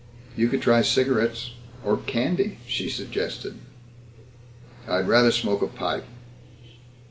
"You could try cigarettes or candy," she suggested. "I'd rather smoke a pipe."